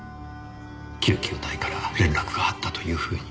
救急隊から連絡があったというふうに。